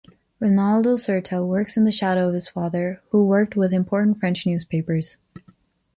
Rolando Certa works in the shadow of his father, who worked with important French newspapers.